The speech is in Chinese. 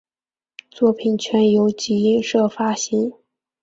作品全由集英社发行。